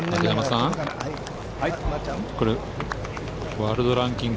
ワールドランキング